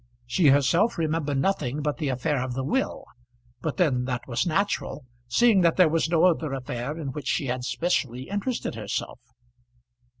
She herself remembered nothing but the affair of the will; but then that was natural, seeing that there was no other affair in which she had specially interested herself.